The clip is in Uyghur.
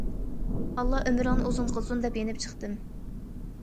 - ئاللا ئۆمرۈڭنى ئۇزۇن قىلسۇن،- دەپ يېنىپ چىقتىم.